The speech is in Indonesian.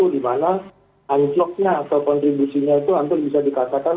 di mana anjloknya atau kontribusinya itu hampir bisa dikatakan